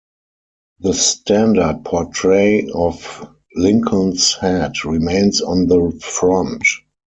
The standard portrait of Lincoln's head remains on the front.